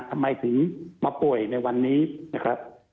ทำไมถึงมาป่วยในวันนี้นะครับ